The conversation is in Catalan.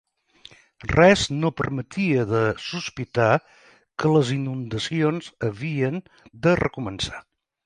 Res no permetia de sospitar que les inundacions havien de recomençar.